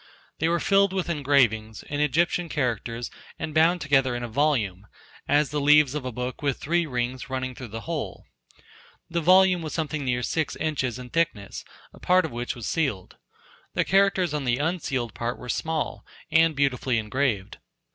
They were filled with engravings, in Egyptian characters and bound together in a volume, as the leaves of a book with three rings running through the whole. The volume was something near six inches in thickness, a part of which was sealed. The characters on the unsealed part were small, and beautifully engraved.